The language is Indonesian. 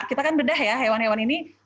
kita kan bedah ya hewan hewan ini